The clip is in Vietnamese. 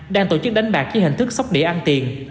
đang tổ chức đánh bạc dưới hình thức sóc đĩa ăn tiền